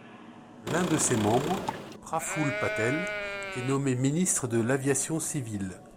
L'un de ses membres, Praful Patel, est nommé ministre de l'Aviation civile.